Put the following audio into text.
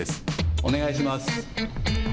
お願いします。